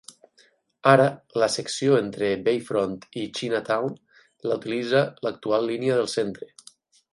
Ara, la secció entre Bayfront i Chinatown la utilitza l'actual línia del centre.